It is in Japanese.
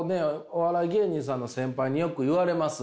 お笑い芸人さんの先輩によく言われます。